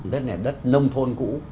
đất này là đất nông thôn cũ